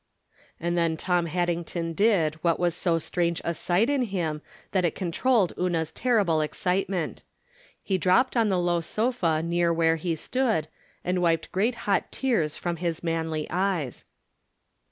And then Tom Haddington did what was so strange a sight in him, that it controlled Una's terrible excitement. He dropped on the low sofa near where he stood, and wiped great hot tears from his manly eyes.